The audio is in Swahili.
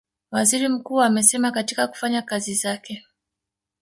Waziri Mkuu amesema katika kufanya kazi zake